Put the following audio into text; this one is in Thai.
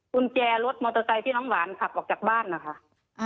กุญแจรถมอเตอร์ไซค์ที่น้องหวานขับออกจากบ้านนะคะ